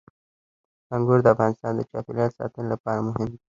انګور د افغانستان د چاپیریال ساتنې لپاره مهم دي.